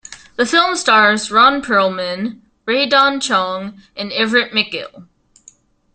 The film stars Ron Perlman, Rae Dawn Chong and Everett McGill.